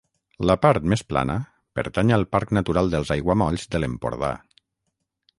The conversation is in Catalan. La part més plana pertany al Parc Natural dels Aiguamolls de l'Empordà.